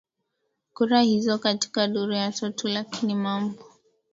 kura hizo katika duru ya tatu Lakini mambo